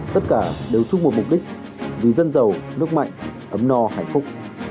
tất cả đều chung một mục đích vì dân giàu nước mạnh ấm no hạnh phúc